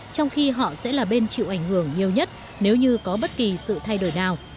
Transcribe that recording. trong khi họ sẽ là bên chịu ảnh hưởng nhiều nhất nếu như có bất kỳ sự thay đổi nào